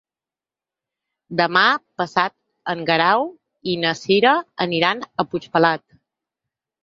Demà passat en Guerau i na Cira aniran a Puigpelat.